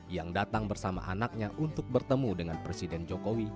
yang datang bersama anaknya untuk bertemu dengan presiden jokowi